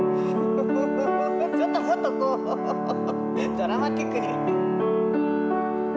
ドラマチックに。